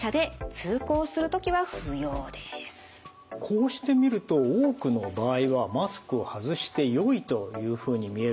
こうして見ると多くの場合はマスクを外してよいというふうに見えるんですが。